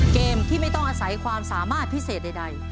เกมที่ไม่ต้องอาศัยความสามารถพิเศษใด